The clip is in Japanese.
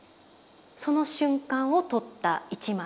その瞬間を撮った一枚なんです。